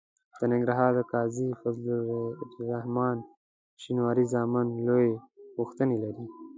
د ننګرهار د قاضي فضل الرحمن شینواري زامن لویې غوښتنې لري.